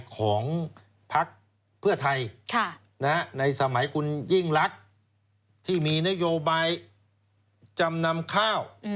ของพักเพื่อไทยในสมัยคุณยิ่งรักที่มีนโยบายจำนำข้าว